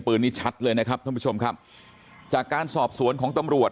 ปืนนี้ชัดเลยนะครับท่านผู้ชมครับจากการสอบสวนของตำรวจ